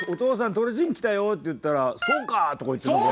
鳥人来たよ」って言ったら「そうか！」とか言って何か。